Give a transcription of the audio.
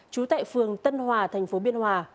trú tại phường tân hòa thành phố biên hòa